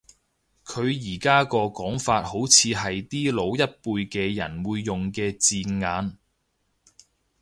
佢而家個講法好似係啲老一輩嘅人會用嘅字眼